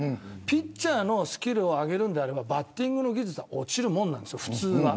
ピッチャーのスキルを上げるならばバッティングの技術は落ちるものです、普通は。